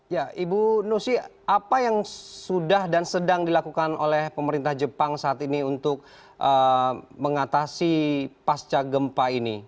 ya ibu nusi apa yang sudah dan sedang dilakukan oleh pemerintah jepang saat ini untuk mengatasi pasca gempa ini